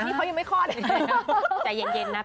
นี่เขายังไม่คลอดใจเย็นนะแป๊บหนึ่ง